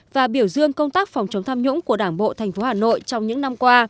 và biểu dương công tác phòng chống tham nhũng của đảng bộ tp hà nội trong những năm qua